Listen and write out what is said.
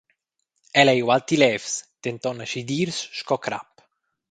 El ei ualti levs, denton aschi dirs sco crap.